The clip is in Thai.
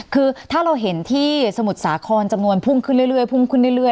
คือถ้าเราเห็นที่สมุทรสาครจำนวนพุ่งขึ้นเรื่อยพุ่งขึ้นเรื่อย